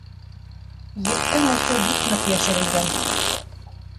Ептең осо бик ныҡ йәшерелгән.